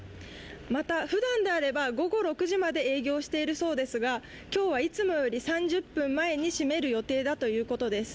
また、ふだんであれば午後６時まで営業しているそうですが今日はいつもより３０分前に閉める予定だということです。